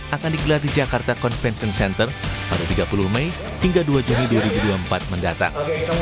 akan digelar di jakarta convention center pada tiga puluh mei hingga dua juni dua ribu dua puluh empat mendatang